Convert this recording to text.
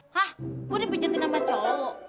hah gue udah mijetin sama cowok